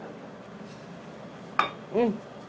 うん。